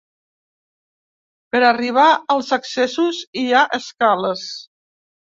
Per arribar als accessos hi ha escales.